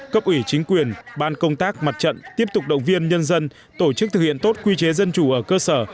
cấp ủy chính quyền ban công tác mặt trận tiếp tục động viên nhân dân tổ chức thực hiện tốt quy chế dân chủ ở cơ sở